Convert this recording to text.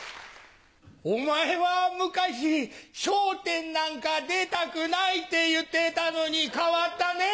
お前は昔「『笑点』なんか出たくない」って言ってたのに変わったねぇ。